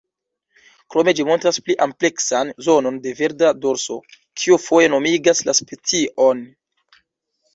Krome ĝi montras pli ampleksan zonon de verda dorso, kio foje nomigas la specion.